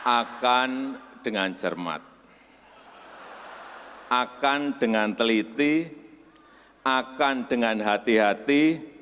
akan dengan cermat akan dengan teliti akan dengan hati hati